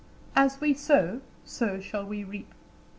As we sow, so shall we reap.